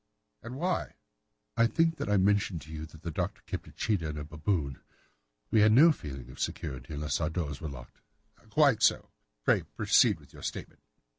"And why?" "I think that I mentioned to you that the Doctor kept a cheetah and a baboon. We had no feeling of security unless our doors were locked." "Quite so. Pray proceed with your statement."